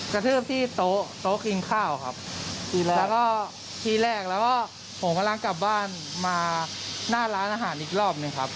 กระทืบที่โต๊ะโต๊ะกินข้าวครับทีแรกแล้วก็ทีแรกแล้วก็ผมกำลังกลับบ้านมาหน้าร้านอาหารอีกรอบหนึ่งครับ